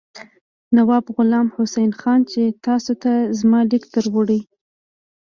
نواب غلام حسین خان چې تاسو ته زما لیک دروړي.